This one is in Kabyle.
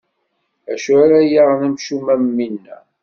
Acu ara yaɣen amcum am winna.